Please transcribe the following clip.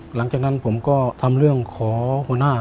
หลังจากนั้นผมก็ทำเรื่องขอหัวหน้า